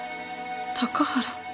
高原」